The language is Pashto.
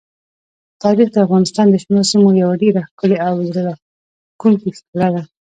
تاریخ د افغانستان د شنو سیمو یوه ډېره ښکلې او زړه راښکونکې ښکلا ده.